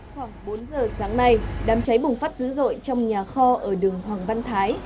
khoảng bốn giờ sáng nay đám cháy bùng phát dữ dội trong nhà kho ở đường hoàng văn thái